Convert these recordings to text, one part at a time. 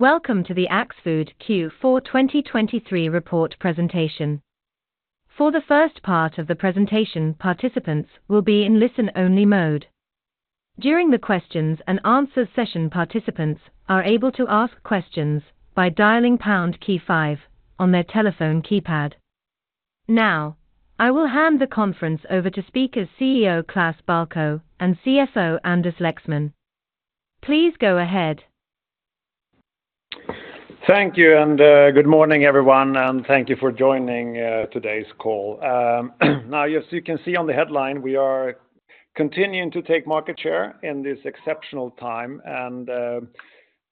Welcome to the Axfood Q4 2023 report presentation. For the first part of the presentation, participants will be in listen-only mode. During the questions and answers session, participants are able to ask questions by dialing pound key five on their telephone keypad. Now, I will hand the conference over to speakers CEO Klas Balkow and CFO Anders Lexmon. Please go ahead. Thank you, and, good morning, everyone, and thank you for joining, today's call. Now, as you can see on the headline, we are continuing to take market share in this exceptional time, and,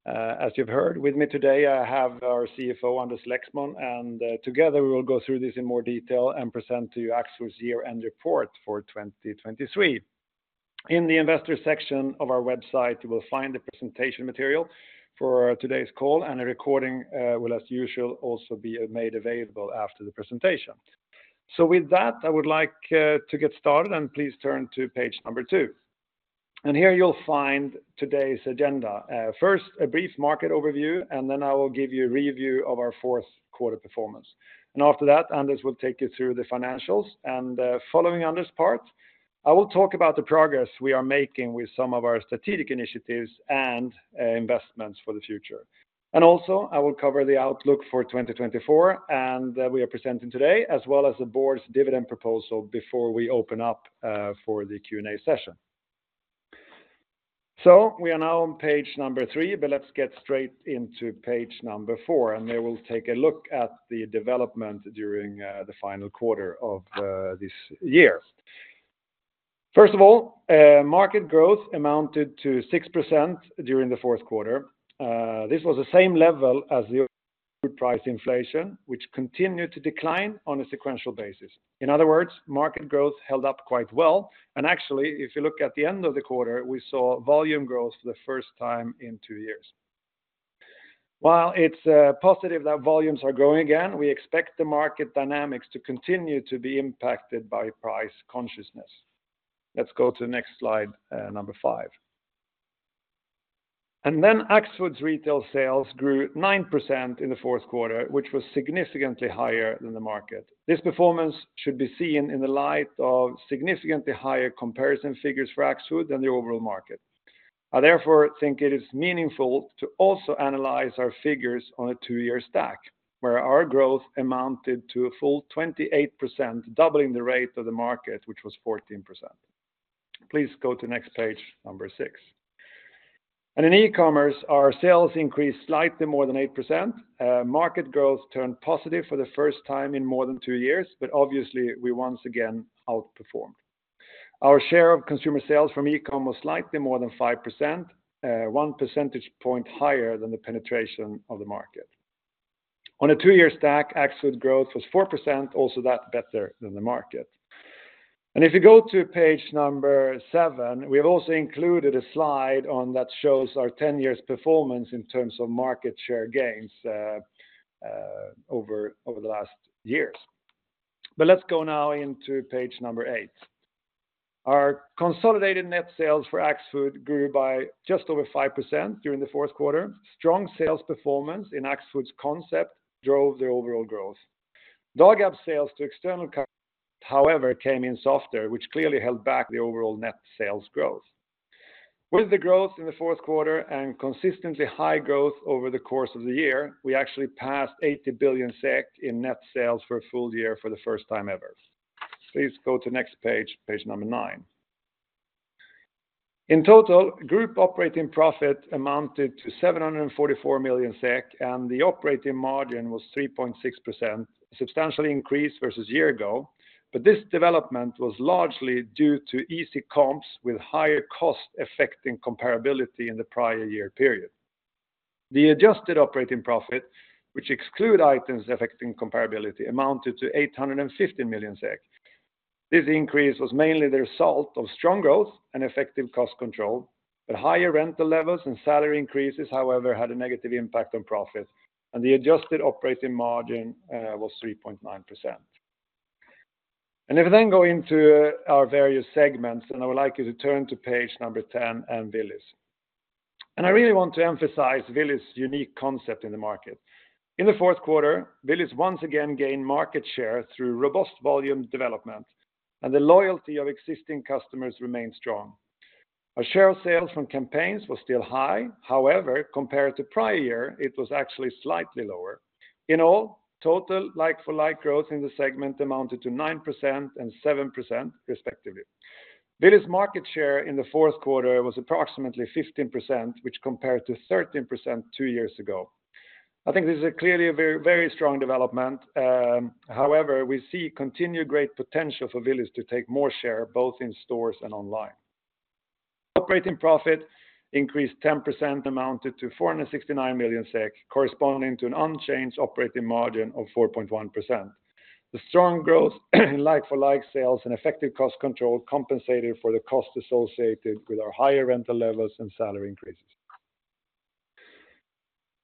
as you've heard with me today, I have our CFO, Anders Lexmon, and, together, we will go through this in more detail and present to you Axfood's year-end report for 2023. In the investor section of our website, you will find the presentation material for today's call, and a recording, will, as usual, also be made available after the presentation. So with that, I would like, to get started, and please turn to page number 2. Here you'll find today's agenda. First, a brief market overview, and then I will give you a review of our fourth quarter performance. After that, Anders will take you through the financials, and following Anders' part, I will talk about the progress we are making with some of our strategic initiatives and investments for the future. Also, I will cover the outlook for 2024, and we are presenting today, as well as the board's dividend proposal before we open up for the Q&A session. We are now on page number 3, but let's get straight into page number 4, and there we'll take a look at the development during the final quarter of this year. First of all, market growth amounted to 6% during the fourth quarter. This was the same level as the food price inflation, which continued to decline on a sequential basis. In other words, market growth held up quite well, and actually, if you look at the end of the quarter, we saw volume growth for the first time in two years. While it's positive that volumes are growing again, we expect the market dynamics to continue to be impacted by price consciousness. Let's go to the next slide, number 5. Then Axfood's retail sales grew 9% in the fourth quarter, which was significantly higher than the market. This performance should be seen in the light of significantly higher comparison figures for Axfood than the overall market. I therefore think it is meaningful to also analyze our figures on a two-year stack, where our growth amounted to a full 28%, doubling the rate of the market, which was 14%. Please go to the next page, number 6. And in e-commerce, our sales increased slightly more than 8%. Market growth turned positive for the first time in more than two years, but obviously, we once again outperformed. Our share of consumer sales from e-com was slightly more than 5%, one percentage point higher than the penetration of the market. On a two-year stack, Axfood growth was 4%, also that better than the market. And if you go to page 7, we have also included a slide on that shows our 10 years performance in terms of market share gains, over the last years. But let's go now into page 8. Our consolidated net sales for Axfood grew by just over 5% during the fourth quarter. Strong sales performance in Axfood's concept drove the overall growth. Dagab sales to external, however, came in softer, which clearly held back the overall net sales growth. With the growth in the fourth quarter and consistently high growth over the course of the year, we actually passed 80 billion SEK in net sales for a full year for the first time ever. Please go to the next page, page 9. In total, group operating profit amounted to 744 million SEK, and the operating margin was 3.6%, substantially increased versus year-ago. But this development was largely due to easy comps with higher cost affecting comparability in the prior year period. The adjusted operating profit, which exclude items affecting comparability, amounted to 850 million SEK. This increase was mainly the result of strong growth and effective cost control, but higher rental levels and salary increases, however, had a negative impact on profit, and the adjusted operating margin was 3.9%. And if we then go into our various segments, and I would like you to turn to page 10 and Willys. And I really want to emphasize Willys' unique concept in the market. In the fourth quarter, Willys once again gained market share through robust volume development, and the loyalty of existing customers remained strong. Our share of sales from campaigns was still high, however, compared to prior year, it was actually slightly lower. In all, total like-for-like growth in the segment amounted to 9% and 7%, respectively. Willys' market share in the fourth quarter was approximately 15%, which compared to 13% two years ago. I think this is clearly a very, very strong development. However, we see continued great potential for Willys to take more share, both in stores and online. Operating profit increased 10%, amounted to 469 million SEK, corresponding to an unchanged operating margin of 4.1%. The strong growth in like-for-like sales and effective cost control compensated for the cost associated with our higher rental levels and salary increases.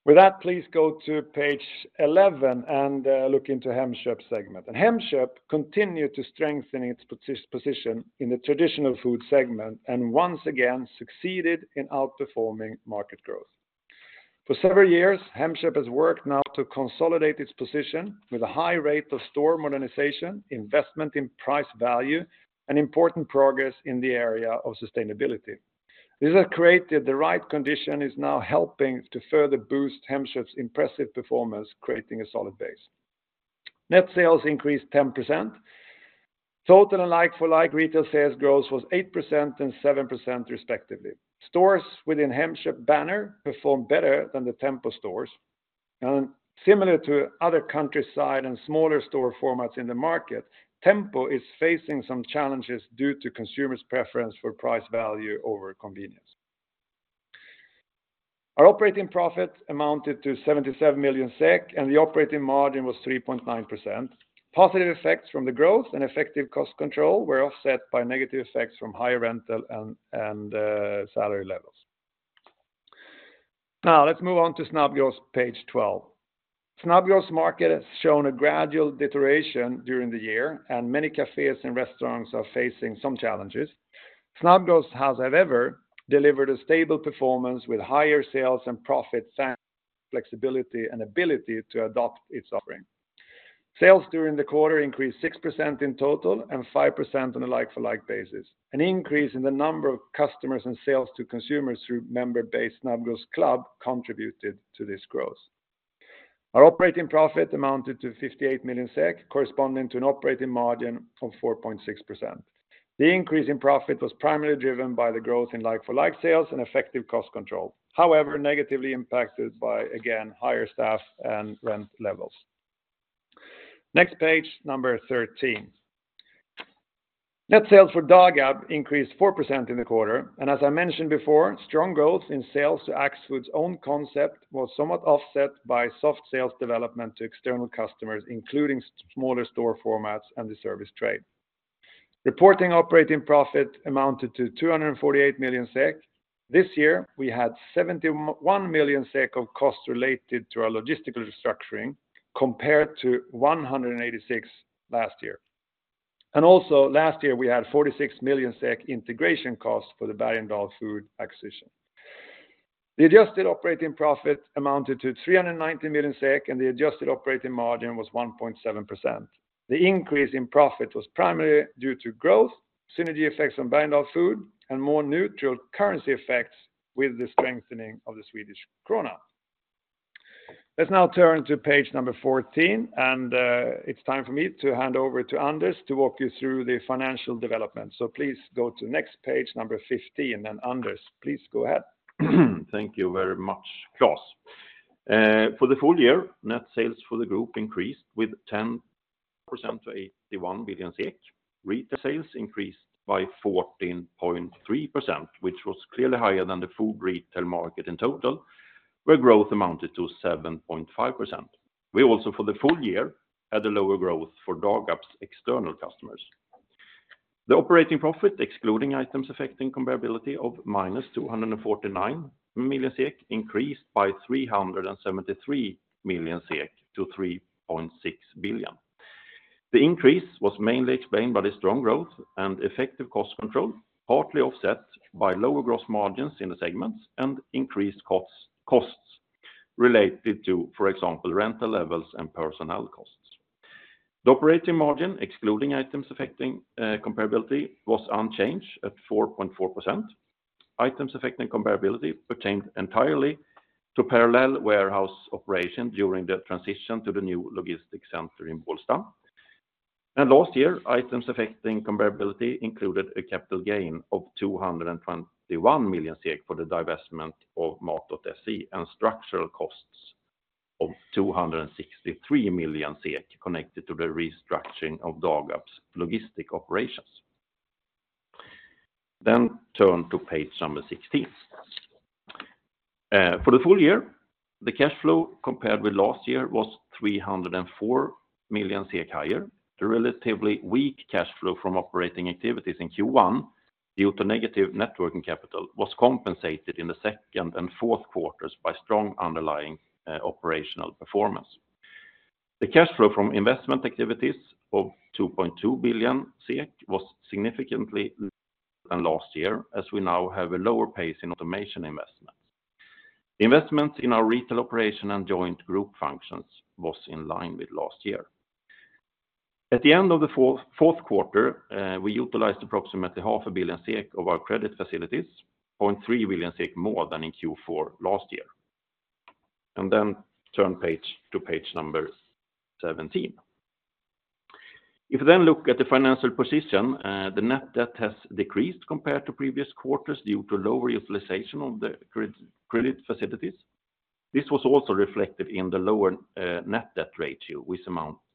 With that, please go to page 11 and look into Hemköp segment. Hemköp continued to strengthen its position in the traditional food segment and once again succeeded in outperforming market growth. For several years, Hemköp has worked now to consolidate its position with a high rate of store modernization, investment in price value, and important progress in the area of sustainability. These have created the right condition, is now helping to further boost Hemköp's impressive performance, creating a solid base. Net sales increased 10%. Total and like-for-like retail sales growth was 8% and 7%, respectively. Stores within Hemköp banner performed better than the Tempo stores, and similar to other countryside and smaller store formats in the market, Tempo is facing some challenges due to consumers' preference for price value over convenience. Our operating profit amounted to 77 million SEK, and the operating margin was 3.9%. Positive effects from the growth and effective cost control were offset by negative effects from higher rental and salary levels. Now, let's move on to Snabbgross, page 12. Snabbgross market has shown a gradual deterioration during the year, and many cafes and restaurants are facing some challenges. Snabbgross has however, delivered a stable performance with higher sales and profit flexibility and ability to adopt its offering. Sales during the quarter increased 6% in total and 5% on a like-for-like basis. An increase in the number of customers and sales to consumers through member-based Snabbgross Club contributed to this growth. Our operating profit amounted to 58 million SEK, corresponding to an operating margin of 4.6%. The increase in profit was primarily driven by the growth in like-for-like sales and effective cost control. However, negatively impacted by, again, higher staff and rent levels. Next page, number 13. Net sales for Dagab increased 4% in the quarter, and as I mentioned before, strong growth in sales to Axfood's own concept was somewhat offset by soft sales development to external customers, including smaller store formats and the service trade. Reporting operating profit amounted to 248 million SEK. This year, we had 71 million SEK of costs related to our logistical restructuring, compared to 186 million last year. Also last year, we had 46 million SEK integration costs for the Bergendahls Food acquisition. The adjusted operating profit amounted to 390 million SEK, and the adjusted operating margin was 1.7%. The increase in profit was primarily due to growth, synergy effects on Bergendahls Food, and more neutral currency effects with the strengthening of the Swedish krona. Let's now turn to page 14, and it's time for me to hand over to Anders to walk you through the financial development. So please go to the next page, 15, and Anders, please go ahead. Thank you very much, Klas. For the full year, net sales for the group increased with 10% to 81 billion SEK. Retail sales increased by 14.3%, which was clearly higher than the food retail market in total, where growth amounted to 7.5%. We also, for the full year, had a lower growth for Dagab's external customers. The operating profit, excluding items affecting comparability of minus 249 million SEK, increased by 373 million SEK to 3.6 billion SEK. The increase was mainly explained by the strong growth and effective cost control, partly offset by lower gross margins in the segments and increased costs, costs related to, for example, rental levels and personnel costs. The operating margin, excluding items affecting, comparability, was unchanged at 4.4%. Items affecting comparability pertained entirely to parallel warehouse operation during the transition to the new logistics center in Bålsta. Last year, items affecting comparability included a capital gain of 221 million for the divestment of Mat.se, and structural costs of 263 million SEK connected to the restructuring of Dagab's logistics operations. Then turn to page 16. For the full year, the cash flow, compared with last year, was 304 million SEK higher. The relatively weak cash flow from operating activities in Q1 due to negative net working capital was compensated in the second and fourth quarters by strong underlying operational performance. The cash flow from investment activities of 2.2 billion was significantly than last year, as we now have a lower pace in automation investments. Investments in our retail operation and joint group functions was in line with last year. At the end of the fourth quarter, we utilized approximately 500 million SEK of our credit facilities, 300 million SEK more than in Q4 last year. And then turn page to page number 17. If you then look at the financial position, the net debt has decreased compared to previous quarters due to lower utilization of the credit facilities. This was also reflected in the lower net debt ratio,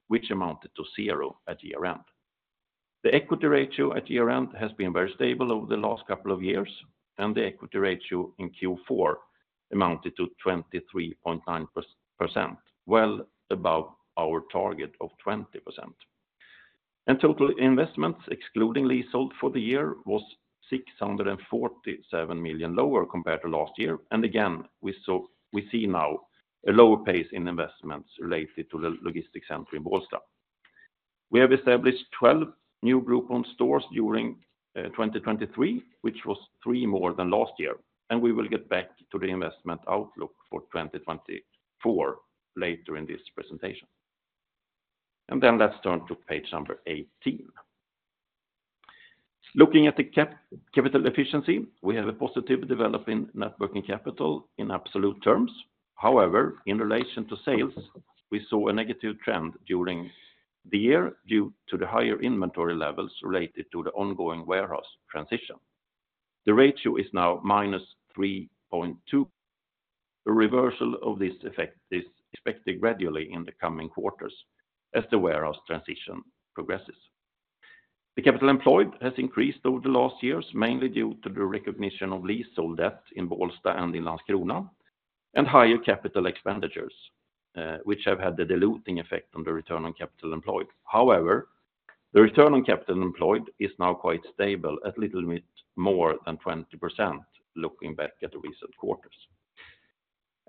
which amounted to zero at year-end. The equity ratio at year-end has been very stable over the last couple of years, and the equity ratio in Q4 amounted to 23.9%, well above our target of 20%. Total investments, excluding leasehold for the year, was 647 million lower compared to last year. And again, we see now a lower pace in investments related to the logistics center in Bålsta. We have established 12 new Group-owned stores during 2023, which was 3 more than last year, and we will get back to the investment outlook for 2024 later in this presentation. Then let's turn to page 18. Looking at the capital efficiency, we have a positive development in net working capital in absolute terms. However, in relation to sales, we saw a negative trend during the year due to the higher inventory levels related to the ongoing warehouse transition. The ratio is now minus 3.2. A reversal of this effect is expected gradually in the coming quarters as the warehouse transition progresses. The capital employed has increased over the last years, mainly due to the recognition of leasehold debt in Bålsta and in Landskrona, and higher capital expenditures, which have had a diluting effect on the return on capital employed. However, the return on capital employed is now quite stable at little bit more than 20%, looking back at the recent quarters.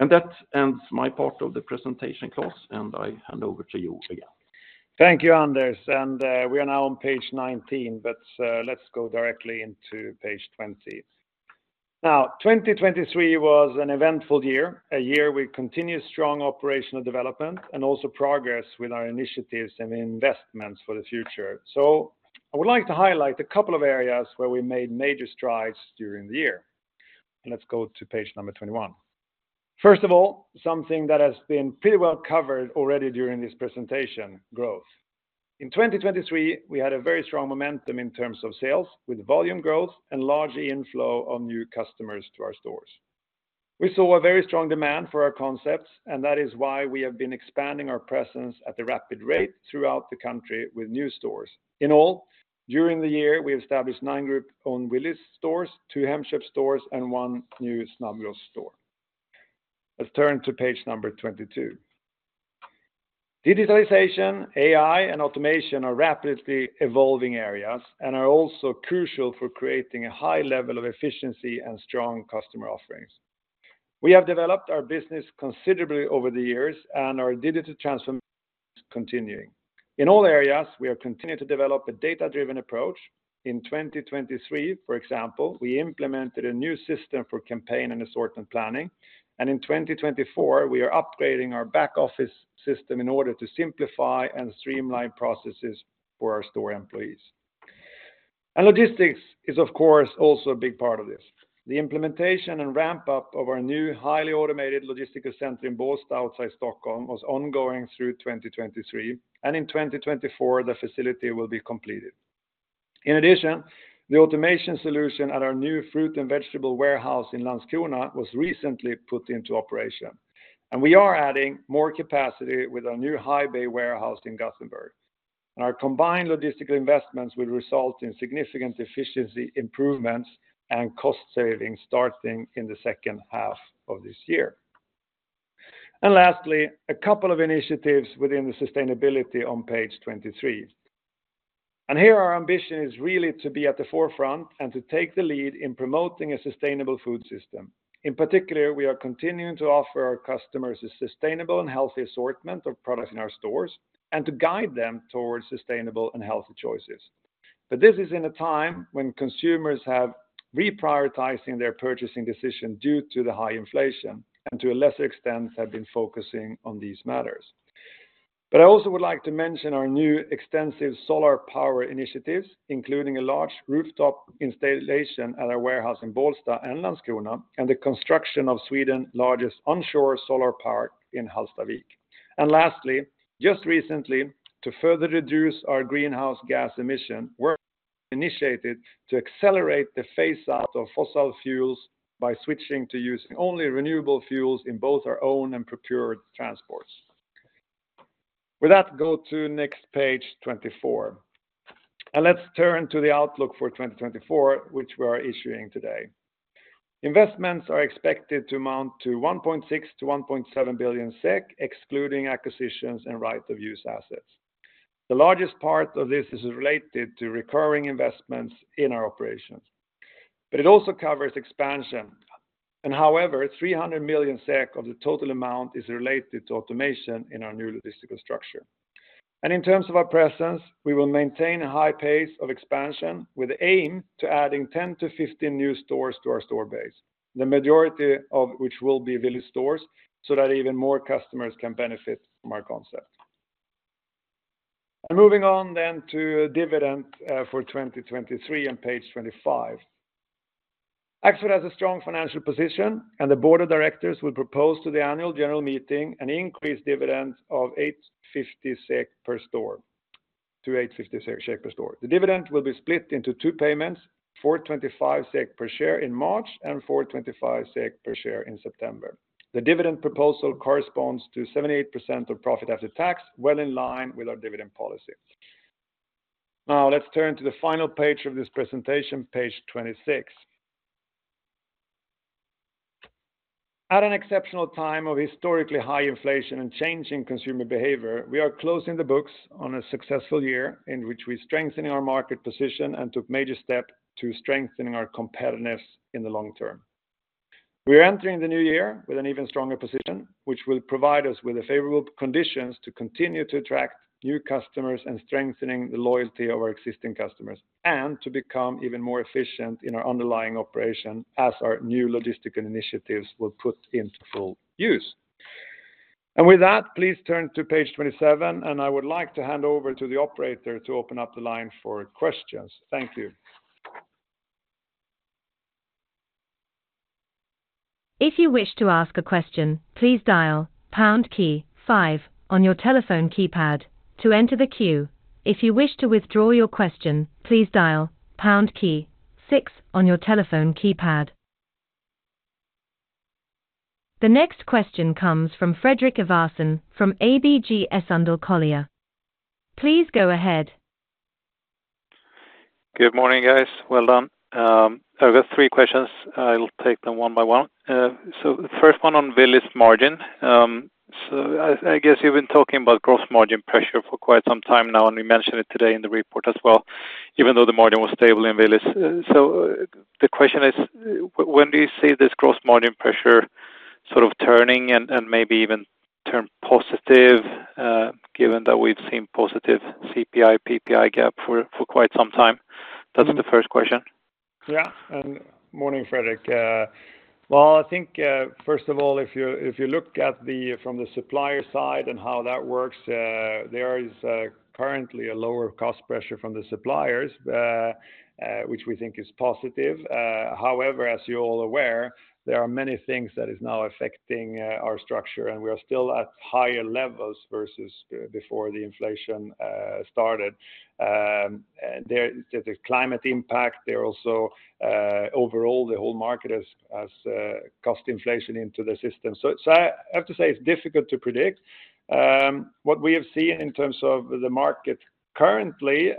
And that ends my part of the presentation, Klas, and I hand over to you again. Thank you, Anders, and we are now on page 19, but let's go directly into page 20. Now, 2023 was an eventful year, a year with continued strong operational development and also progress with our initiatives and investments for the future. So I would like to highlight a couple of areas where we made major strides during the year. Let's go to page number 21. First of all, something that has been pretty well covered already during this presentation, growth. In 2023, we had a very strong momentum in terms of sales, with volume growth and large inflow of new customers to our stores. We saw a very strong demand for our concepts, and that is why we have been expanding our presence at a rapid rate throughout the country with new stores. In all, during the year, we established nine group-owned Willys stores, two Hemköp stores, and one new Snabbgross store. Let's turn to page 22. Digitalization, AI, and automation are rapidly evolving areas and are also crucial for creating a high level of efficiency and strong customer offerings. We have developed our business considerably over the years, and our digital transformation is continuing. In all areas, we have continued to develop a data-driven approach. In 2023, for example, we implemented a new system for campaign and assortment planning, and in 2024, we are upgrading our back office system in order to simplify and streamline processes for our store employees. Logistics is, of course, also a big part of this. The implementation and ramp-up of our new, highly automated logistical center in Bålsta, outside Stockholm, was ongoing through 2023, and in 2024, the facility will be completed. In addition, the automation solution at our new fruit and vegetable warehouse in Landskrona was recently put into operation, and we are adding more capacity with our new high bay warehouse in Gothenburg. Our combined logistical investments will result in significant efficiency improvements and cost savings starting in the second half of this year. Lastly, a couple of initiatives within the sustainability on page 23. Here, our ambition is really to be at the forefront and to take the lead in promoting a sustainable food system. In particular, we are continuing to offer our customers a sustainable and healthy assortment of products in our stores and to guide them towards sustainable and healthy choices. But this is in a time when consumers have reprioritizing their purchasing decision due to the high inflation and to a lesser extent, have been focusing on these matters. But I also would like to mention our new extensive solar power initiatives, including a large rooftop installation at our warehouse in Bålsta and Landskrona, and the construction of Sweden's largest onshore solar park in Hallstavik. And lastly, just recently, to further reduce our greenhouse gas emission, we're initiated to accelerate the phase out of fossil fuels by switching to using only renewable fuels in both our own and procured transports. With that, go to next page, 24. And let's turn to the outlook for 2024, which we are issuing today. Investments are expected to amount to 1.6 billion-1.7 billion SEK, excluding acquisitions and right of use assets. The largest part of this is related to recurring investments in our operations, but it also covers expansion. However, 300 million SEK of the total amount is related to automation in our new logistical structure. In terms of our presence, we will maintain a high pace of expansion with the aim to adding 10-15 new stores to our store base, the majority of which will be Willys stores, so that even more customers can benefit from our concept. Moving on then to dividend for 2023 on page 25. Axfood has a strong financial position, and the board of directors will propose to the annual general meeting an increased dividend of 850 SEK per share to 850 SEK per share. The dividend will be split into two payments, 4.25 SEK per share in March and 4.25 SEK per share in September. The dividend proposal corresponds to 78% of profit after tax, well in line with our dividend policy. Now, let's turn to the final page of this presentation, page 26. At an exceptional time of historically high inflation and changing consumer behavior, we are closing the books on a successful year in which we strengthening our market position and took major step to strengthening our competitiveness in the long term. We are entering the new year with an even stronger position, which will provide us with a favorable conditions to continue to attract new customers and strengthening the loyalty of our existing customers, and to become even more efficient in our underlying operation as our new logistic initiatives will put into full use. With that, please turn to page 27, and I would like to hand over to the operator to open up the line for questions. Thank you. If you wish to ask a question, please dial pound key five on your telephone keypad to enter the queue. If you wish to withdraw your question, please dial pound key six on your telephone keypad. The next question comes from Fredrik Ivarsson from ABG Sundal Collier. Please go ahead. Good morning, guys. Well done. I've got three questions. I'll take them one by one. So the first one on Willys margin. So I, I guess you've been talking about gross margin pressure for quite some time now, and you mentioned it today in the report as well, even though the margin was stable in Willys. So the question is, when do you see this gross margin pressure sort of turning and, and maybe even turn positive, given that we've seen positive CPI, PPI gap for, for quite some time? That's the first question. Yeah, and morning, Fredrik. Well, I think, first of all, if you look at the from the supplier side and how that works, there is currently a lower cost pressure from the suppliers, which we think is positive. However, as you're all aware, there are many things that is now affecting our structure, and we are still at higher levels versus before the inflation started. There's a climate impact. There are also overall, the whole market has cost inflation into the system. So it's, I have to say, it's difficult to predict. What we have seen in terms of the market currently,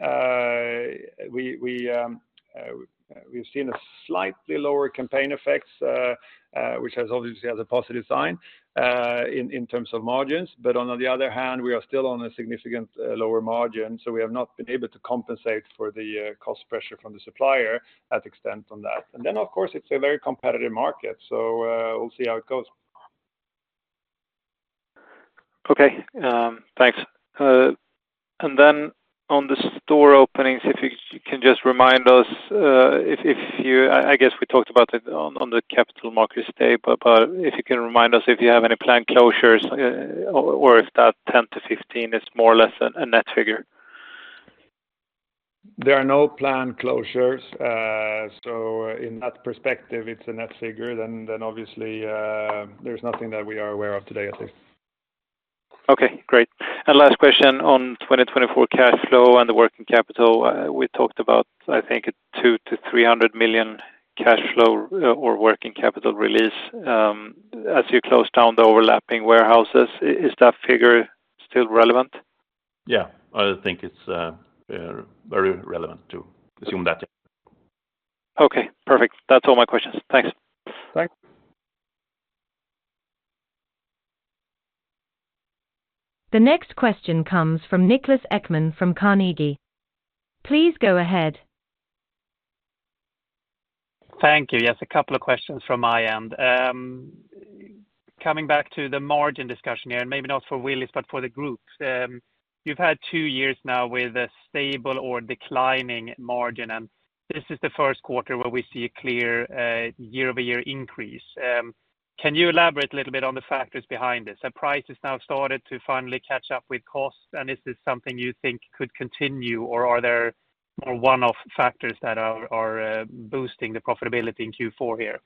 we've seen a slightly lower campaign effects, which obviously has a positive sign in terms of margins. But on the other hand, we are still on a significant lower margin, so we have not been able to compensate for the cost pressure from the supplier at extent on that. And then, of course, it's a very competitive market, so we'll see how it goes. Okay, thanks. And then on the store openings, if you can just remind us if you—I guess we talked about it on the Capital Markets Day, but if you can remind us if you have any planned closures, or if that 10-15 is more or less a net figure? There are no planned closures, so in that perspective, it's a net figure. Then obviously, there's nothing that we are aware of today, I think. Okay, great. Last question on 2024 cash flow and the working capital. We talked about, I think, 200 million-300 million cash flow or working capital release. As you close down the overlapping warehouses, is that figure still relevant? Yeah, I think it's very relevant to assume that. Okay, perfect. That's all my questions. Thanks. Thanks. The next question comes from Niklas Ekman from Carnegie. Please go ahead. Thank you. Yes, a couple of questions from my end. Coming back to the margin discussion here, and maybe not for Willys, but for the Group. You've had two years now with a stable or declining margin, and this is the first quarter where we see a clear year-over-year increase. Can you elaborate a little bit on the factors behind this? Are prices now started to finally catch up with costs, and is this something you think could continue, or are there more one-off factors that are boosting the profitability in Q4 here?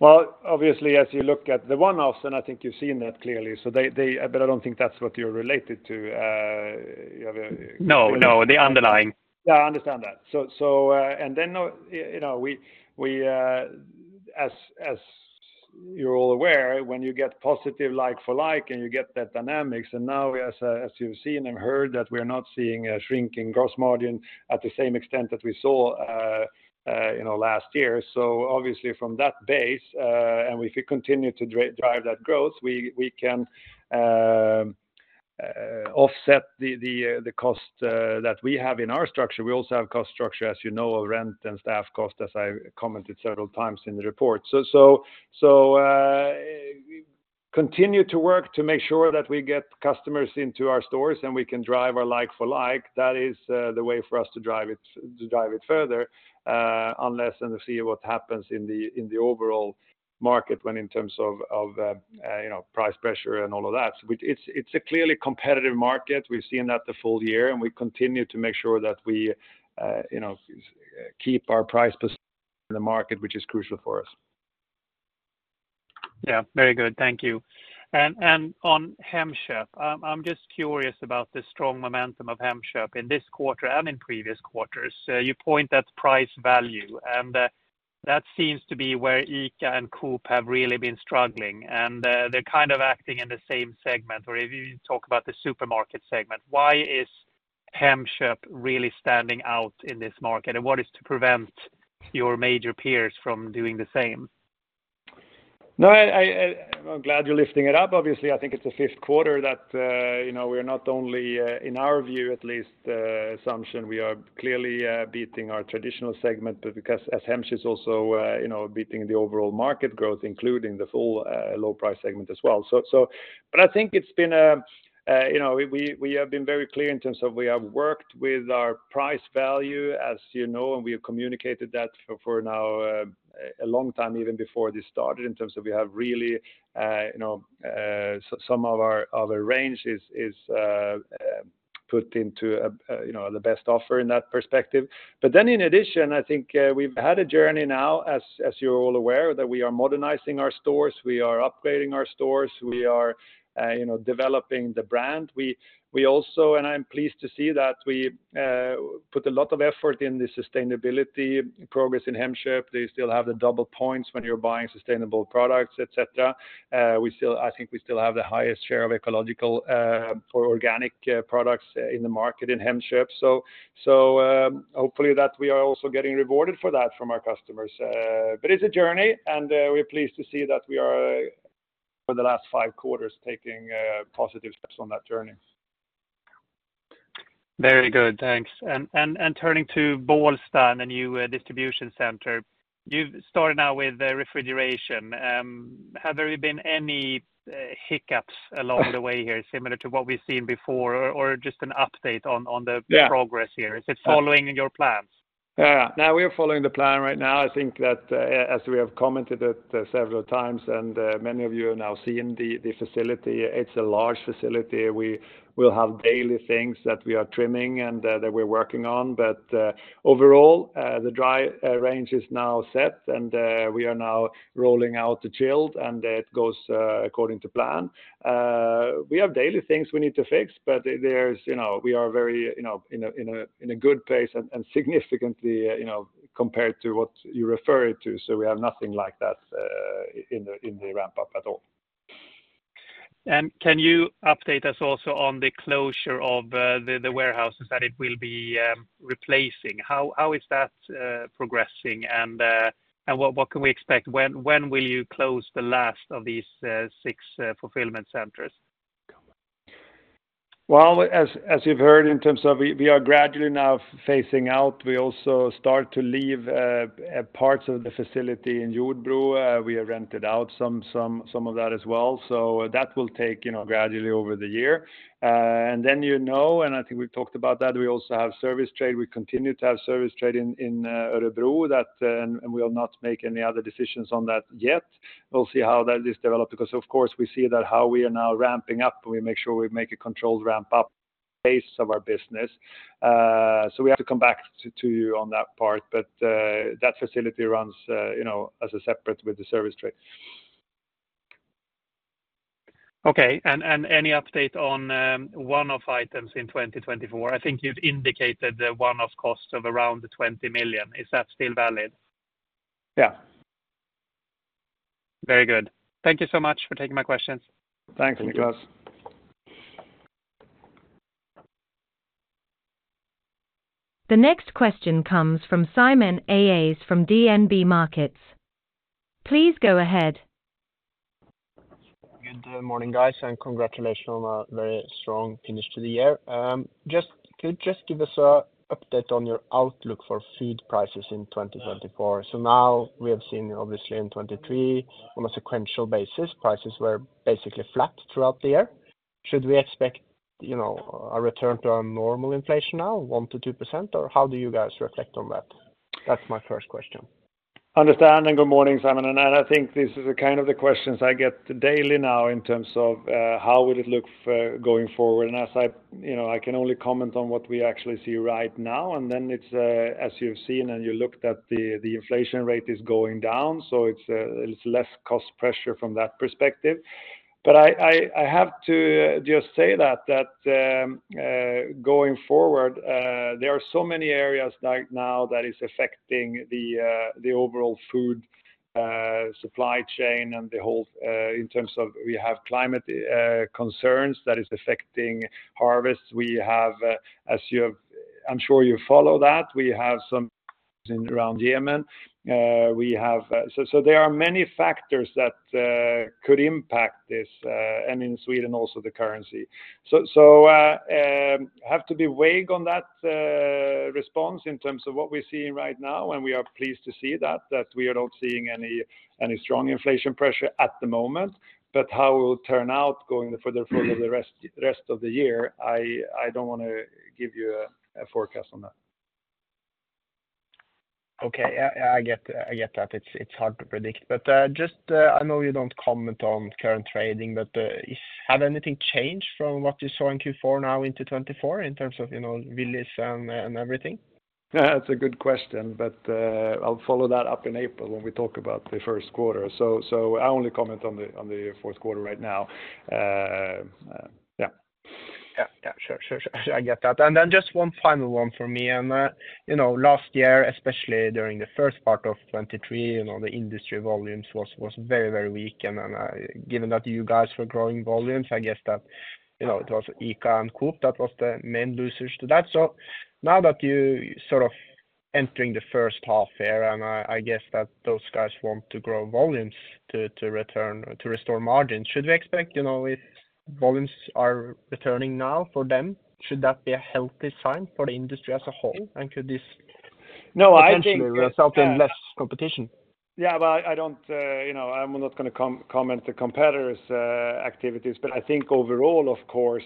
Well, obviously, as you look at the one-offs, and I think you've seen that clearly, so they- but I don't think that's what you're related to, you have a- No, no, the underlying. Yeah, I understand that. So, and then, you know, we, as you're all aware, when you get positive like-for-like, and you get that dynamics, and now, as you've seen and heard, that we are not seeing a shrinking gross margin at the same extent that we saw, you know, last year. So obviously from that base, and if we continue to drive that growth, we can offset the cost that we have in our structure. We also have cost structure, as you know, of rent and staff cost, as I commented several times in the report. So, we continue to work to make sure that we get customers into our stores, and we can drive our like-for-like. That is the way for us to drive it, to drive it further, and to see what happens in the overall market in terms of you know, price pressure and all of that. So it's a clearly competitive market. We've seen that the full year, and we continue to make sure that we you know, keep our price position in the market, which is crucial for us. Yeah, very good. Thank you. And on Hemköp, I'm just curious about the strong momentum of Hemköp in this quarter and in previous quarters. You point at price value, and that seems to be where ICA and Coop have really been struggling, and they're kind of acting in the same segment, or if you talk about the supermarket segment. Why is Hemköp really standing out in this market? And what is to prevent your major peers from doing the same? ... No, I'm glad you're lifting it up. Obviously, I think it's the fifth quarter that, you know, we are not only, in our view, at least, assumption, we are clearly beating our traditional segment, but because as Hemköp is also, you know, beating the overall market growth, including the full, low price segment as well. So, but I think it's been, you know, we have been very clear in terms of we have worked with our price value, as you know, and we have communicated that for now, a long time, even before this started, in terms of we have really, you know, some of our range is put into, you know, the best offer in that perspective. But then in addition, I think, we've had a journey now, as you're all aware, that we are modernizing our stores, we are upgrading our stores, we are, you know, developing the brand. We also, and I'm pleased to see that we put a lot of effort in the sustainability progress in Hemköp. They still have the double points when you're buying sustainable products, et cetera. We still-- I think we still have the highest share of ecological, or organic, products in the market in Hemköp. So, hopefully, that we are also getting rewarded for that from our customers. But it's a journey, and, we're pleased to see that we are, for the last five quarters, taking positive steps on that journey. Very good, thanks. And turning to Bålsta, the new distribution center. You've started now with the refrigeration. Have there been any hiccups along the way here, similar to what we've seen before? Or just an update on the- Yeah Progress here. Is it following your plans? Yeah. No, we are following the plan right now. I think that, as we have commented it several times, and many of you have now seen the facility, it's a large facility. We will have daily things that we are trimming and that we're working on. But overall, the dry range is now set, and we are now rolling out the chilled, and it goes according to plan. We have daily things we need to fix, but there's, you know, we are very, you know, in a good place and significantly, you know, compared to what you referred to, so we have nothing like that in the ramp-up at all. Can you update us also on the closure of the warehouses that it will be replacing? How is that progressing, and what can we expect? When will you close the last of these six fulfillment centers? Well, as you've heard, in terms of we are gradually now phasing out. We also start to leave parts of the facility in Jordbro. We have rented out some of that as well. So that will take, you know, gradually over the year. And then, you know, and I think we've talked about that, we also have service trade. We continue to have service trade in Örebro, that. And we will not make any other decisions on that yet. We'll see how that is developed, because, of course, we see that how we are now ramping up, we make sure we make a controlled ramp-up pace of our business. So we have to come back to you on that part, but that facility runs, you know, as a separate with the service trade. Okay, and any update on one-off items in 2024? I think you've indicated the one-off cost of around 20 million. Is that still valid? Yeah. Very good. Thank you so much for taking my questions. Thanks, Niklas. The next question comes from Simen Aas from DNB Markets. Please go ahead. Good morning, guys, and congratulations on a very strong finish to the year. Just, could you just give us an update on your outlook for food prices in 2024? So now we have seen, obviously, in 2023, on a sequential basis, prices were basically flat throughout the year. Should we expect, you know, a return to our normal inflation now, 1%-2%, or how do you guys reflect on that? That's my first question. Understood, and good morning, Simon. I think this is the kind of questions I get daily now in terms of how would it look going forward. And as I, you know, I can only comment on what we actually see right now, and then it's as you've seen and you looked at the, the inflation rate is going down, so it's it's less cost pressure from that perspective. But I have to just say that going forward there are so many areas right now that is affecting the the overall food supply chain and the whole in terms of we have climate concerns that is affecting harvests. We have as you have-- I'm sure you follow that, we have some around Yemen. We have... So, there are many factors that could impact this, and in Sweden, also the currency. So, have to be vague on that response in terms of what we're seeing right now, and we are pleased to see that we are not seeing any strong inflation pressure at the moment. But how it will turn out going further through the rest of the year, I don't wanna give you a forecast on that. Okay, yeah, I get, I get that. It's, it's hard to predict, but just, I know you don't comment on current trading, but has anything changed from what you saw in Q4 now into 2024 in terms of, you know, Willys and, and everything? Yeah, it's a good question, but I'll follow that up in April when we talk about the first quarter. So I only comment on the fourth quarter right now. Yeah. Yeah, yeah. Sure, sure, sure. I get that. And then just one final one for me. And, you know, last year, especially during the first part of 2023, you know, the industry volumes was very, very weak. And then, given that you guys were growing volumes, I guess that, you know, it was ICA and Coop that was the main losers to that. So now that you sort of entering the first half year, and I guess that those guys want to grow volumes to return to restore margin. Should we expect, you know, if volumes are returning now for them, should that be a healthy sign for the industry as a whole? And could this- No, I think, Potentially result in less competition? Yeah, but I don't, you know, I'm not gonna comment the competitors' activities. But I think overall, of course,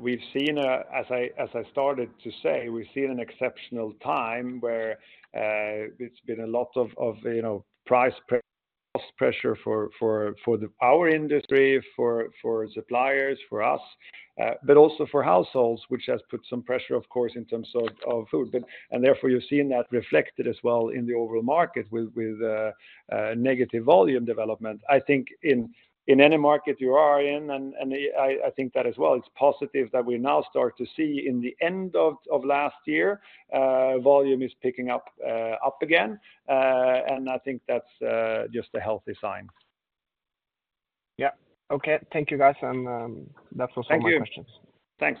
we've seen, as I started to say, we've seen an exceptional time where it's been a lot of, you know, price pressure, cost pressure for our industry, for suppliers, for us, but also for households, which has put some pressure, of course, in terms of food. But and therefore, you've seen that reflected as well in the overall market with negative volume development. I think in any market you are in, and I think that as well, it's positive that we now start to see in the end of last year, volume is picking up again. I think that's just a healthy sign. Yeah. Okay, thank you, guys, and that was all my questions. Thank you. Thanks.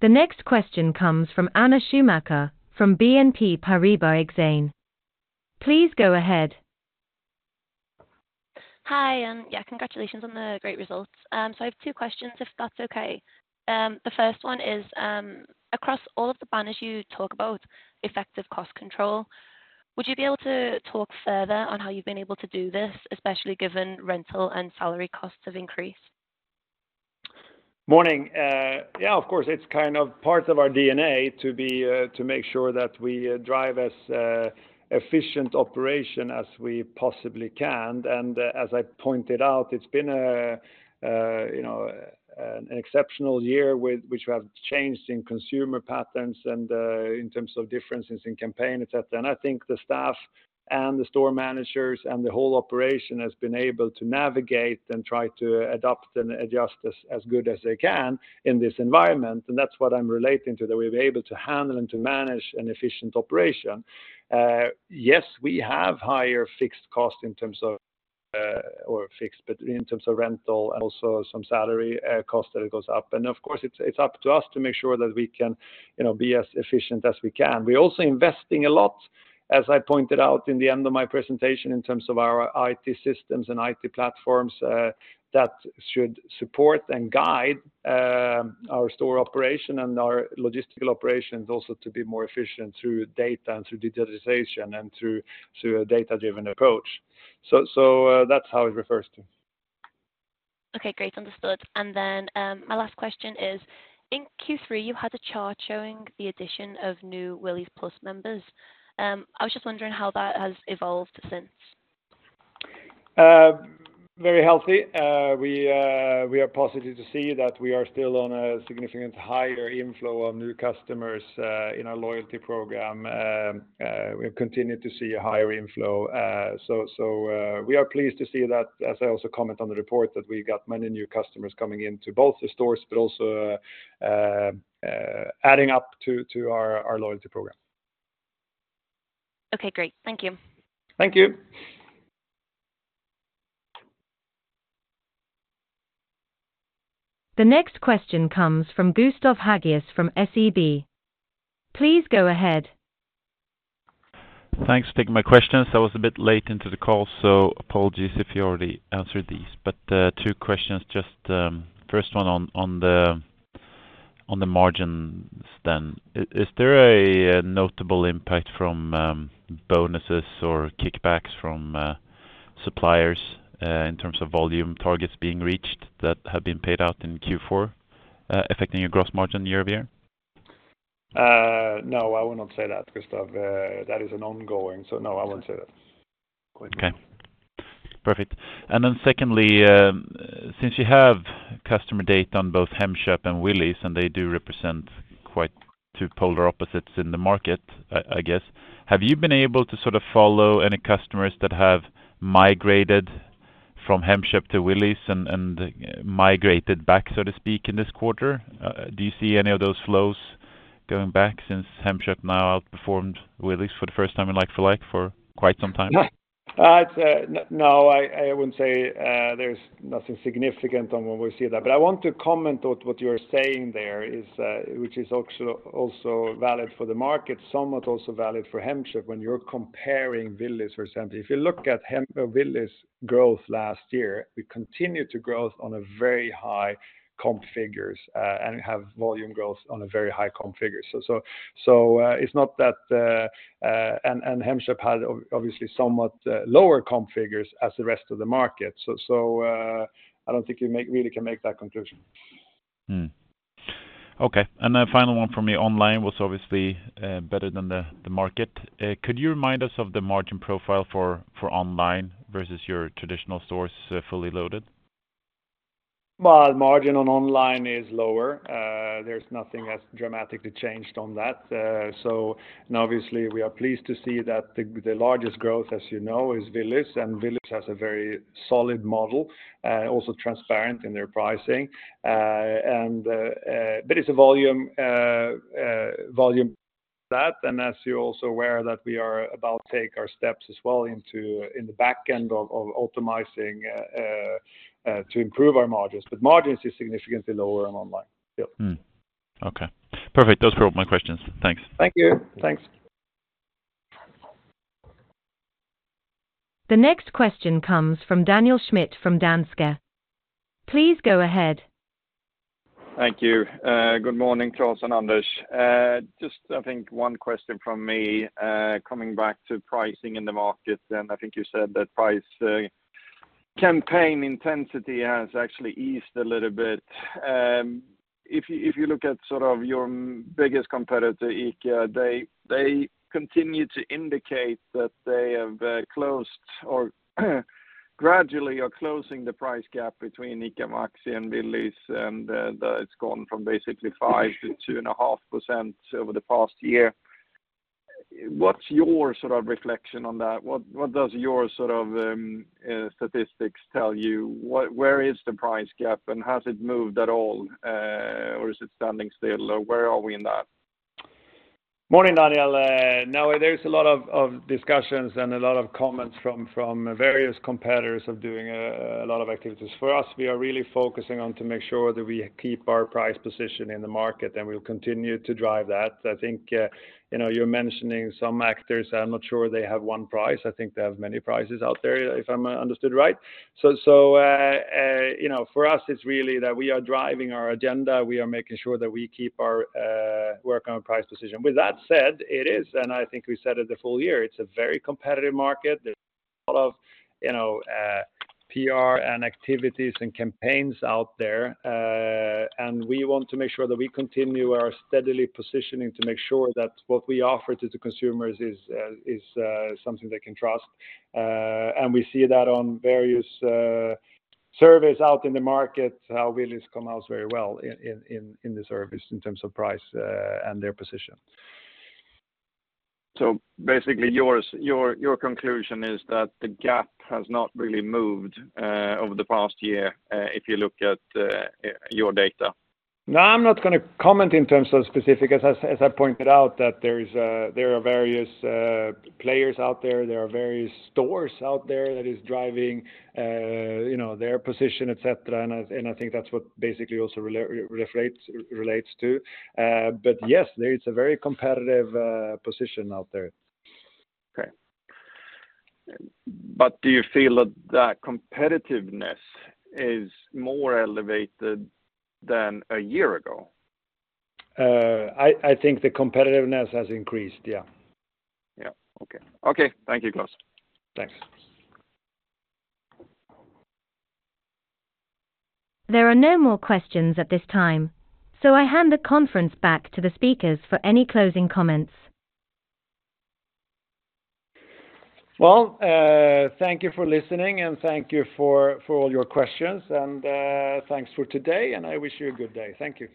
The next question comes from Anna Schumacher from BNP Paribas Exane. Please go ahead. Hi, and yeah, congratulations on the great results. I have two questions, if that's okay. The first one is, across all of the banners, you talk about effective cost control. Would you be able to talk further on how you've been able to do this, especially given rental and salary costs have increased? Morning. Yeah, of course, it's kind of part of our DNA to be to make sure that we drive as efficient operation as we possibly can. And as I pointed out, it's been a you know, an exceptional year with which we have changed in consumer patterns and in terms of differences in campaign, et cetera. And I think the staff and the store managers and the whole operation has been able to navigate and try to adapt and adjust as good as they can in this environment. And that's what I'm relating to, that we've been able to handle and to manage an efficient operation. Yes, we have higher fixed costs in terms of fixed, but in terms of rental and also some salary costs that it goes up. And of course, it's up to us to make sure that we can, you know, be as efficient as we can. We're also investing a lot, as I pointed out in the end of my presentation, in terms of our IT systems and IT platforms that should support and guide our store operation and our logistical operations, also to be more efficient through data and through digitization and through a data-driven approach. So, that's how it refers to. Okay, great, understood. And then, my last question is, in Q3, you had a chart showing the addition of new Willys Plus members. I was just wondering how that has evolved since? Very healthy. We are positive to see that we are still on a significant higher inflow of new customers in our loyalty program. We've continued to see a higher inflow. So, we are pleased to see that, as I also comment on the report, that we got many new customers coming into both the stores, but also adding up to our loyalty program. Okay, great. Thank you. Thank you. The next question comes from Gustav Hagéus from SEB. Please go ahead. Thanks for taking my questions. I was a bit late into the call, so apologies if you already answered these. But two questions, just first one on the margins then. Is there a notable impact from bonuses or kickbacks from suppliers in terms of volume targets being reached that have been paid out in Q4 affecting your gross margin year-over-year? No, I would not say that, Gustav. That is an ongoing, so no, I wouldn't say that. Okay. Perfect. And then secondly, since you have customer data on both Hemköp and Willys, and they do represent quite two polar opposites in the market, I guess. Have you been able to sort of follow any customers that have migrated from Hemköp to Willys and migrated back, so to speak, in this quarter? Do you see any of those flows going back since Hemköp now outperformed Willys for the first time in like-for-like for quite some time? It's no, I wouldn't say... There's nothing significant on when we see that. But I want to comment on what you're saying there is, which is also valid for the market, somewhat also valid for Hemköp when you're comparing Willys or something. If you look at Willys growth last year, we continued to growth on a very high comp figures, and have volume growth on a very high comp figures. So, it's not that, and Hemköp had obviously somewhat lower comp figures as the rest of the market. So, I don't think you really can make that conclusion. Okay, and a final one for me: Online was obviously better than the market. Could you remind us of the margin profile for online versus your traditional stores, fully loaded? Well, margin on online is lower. There's nothing that's dramatically changed on that. So and obviously, we are pleased to see that the largest growth, as you know, is Willys, and Willys has a very solid model, also transparent in their pricing. And, but it's a volume that, and as you're also aware, that we are about take our steps as well into, in the back end of optimizing to improve our margins. But margins is significantly lower on online, yeah. Mmh. Okay, perfect. Those were all my questions. Thanks. Thank you. Thanks. The next question comes from Daniel Schmidt from Danske. Please go ahead. Thank you. Good morning, Klas and Anders. Just, I think one question from me, coming back to pricing in the market, and I think you said that price campaign intensity has actually eased a little bit. If you look at sort of your biggest competitor, ICA, they continue to indicate that they have closed or gradually are closing the price gap between ICA Maxi and Willys, and it's gone from basically 5%-2.5% over the past year. What's your sort of reflection on that? What does your sort of statistics tell you? Where is the price gap, and has it moved at all, or is it standing still? Where are we in that? Morning, Daniel. Now, there's a lot of discussions and a lot of comments from various competitors of doing a lot of activities. For us, we are really focusing on to make sure that we keep our price position in the market, and we'll continue to drive that. I think, you know, you're mentioning some actors, I'm not sure they have one price. I think they have many prices out there, if I'm understood right. So, you know, for us, it's really that we are driving our agenda. We are making sure that we keep our work on price position. With that said, it is, and I think we said it the full year, it's a very competitive market. There's a lot of, you know, PR and activities and campaigns out there, and we want to make sure that we continue our steadily positioning to make sure that what we offer to the consumers is something they can trust. And we see that on various surveys out in the market, how Willys come out very well in the surveys in terms of price, and their position. So basically, your conclusion is that the gap has not really moved over the past year if you look at your data? No, I'm not gonna comment in terms of specific. As I pointed out, that there are various players out there, there are various stores out there that is driving, you know, their position, et cetera. And I think that's what basically also relates to. But yes, there is a very competitive position out there. Okay. But do you feel that competitiveness is more elevated than a year ago? I think the competitiveness has increased, yeah. Yeah. Okay. Okay, thank you, Klas. Thanks. There are no more questions at this time, so I hand the conference back to the speakers for any closing comments. Well, thank you for listening, and thank you for all your questions, and, thanks for today, and I wish you a good day. Thank you.